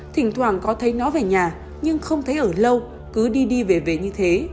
thỉnh thoảng có thấy nó về nhà nhưng không thấy ở lâu cứ đi đi về về như thế